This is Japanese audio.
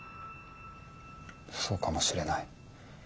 そうかもしれない。